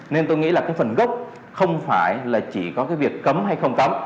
nên tôi nghĩ là phần gốc không phải chỉ việc cấm hay không cấm